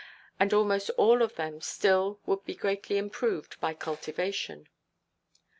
And almost all of them still would be greatly improved by cultivation.